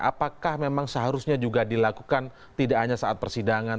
apakah memang seharusnya juga dilakukan tidak hanya saat persidangan